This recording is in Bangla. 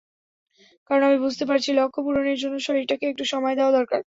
কারণ আমি বুঝতে পারছি, লক্ষ্যপূরণের জন্য শরীরটাকে একটু সময় দেওয়া দরকার।